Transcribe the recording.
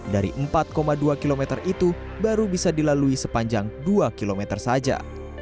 dari empat dua km itu baru bisa dilalui sepanjang dua km saja